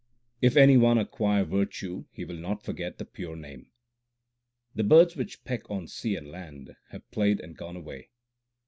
If any one acquire virtue, he will not forget the Pure Name. The birds which peck on sea and land have played and gone away.